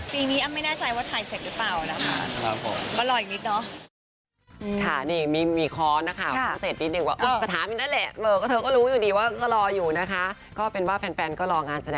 ปีนี้อ้ำไม่แน่ใจว่าถ่ายเสร็จหรือเปล่านะคะ